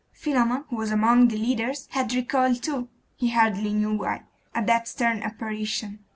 Philammon, who was among the leaders, had recoiled too he hardly knew why at that stern apparition.